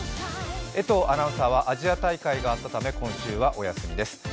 江藤アナウンサーはアジア大会があったため今週はお休みです。